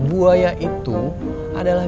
buaya itu adalah